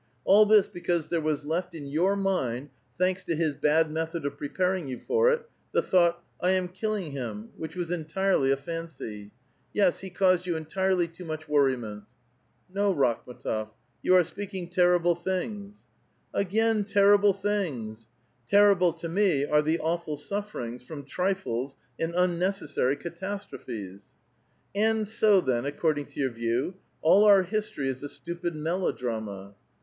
Ail this because there was left iu your mind, thanks to his bad method of preparing you for it, the thought, ^1 am killing him,' which was entirely a fancy. Yes ; he caused you entirely too much worriment/' *• No, Kakhm6tof ; you are s|>eaking terrible things.'* "Again ' terrible tbings'! Terrible to me are the awful sufferings from trifles and unnecessary catastrophes." " An J so, then, according to your view, all our history is a stupid melodrama."